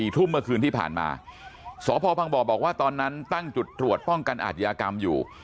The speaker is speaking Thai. ทุ่มเมื่อคืนที่ผ่านมาสพบังบ่อบอกว่าตอนนั้นตั้งจุดตรวจป้องกันอาทยากรรมอยู่